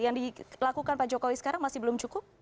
yang dilakukan pak jokowi sekarang masih belum cukup